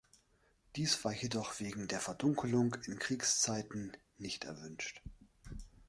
Dies war jedoch wegen der Verdunkelung in Kriegszeiten nicht erwünscht.